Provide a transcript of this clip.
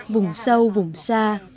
vùng sâu vùng xa